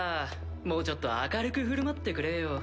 もうちょっと明るく振る舞ってくれよ。